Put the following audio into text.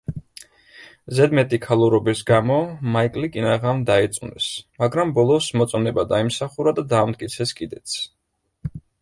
ზედმეტი ქალურობის გამო, მაიკლი კინაღამ დაიწუნეს, მაგრამ ბოლოს მოწონება დაიმსახურა და დაამტკიცეს კიდეც.